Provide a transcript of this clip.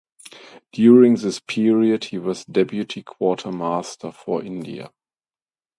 During this period he was Deputy Quartermaster General for India.